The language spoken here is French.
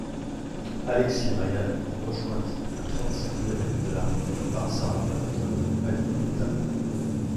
Alexis Ryan, rejointe à trente-six kilomètres de l'arrivée par Sara Penton, anime l'étape.